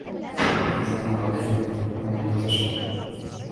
مَا أَنْزَلْنَا عَلَيْكَ الْقُرْآنَ لِتَشْقَى